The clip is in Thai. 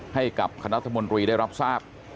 ให้กับคณะรัฐมนตรีได้รับทราบ